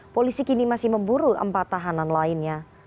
polisi kini masih memburu empat tahanan lainnya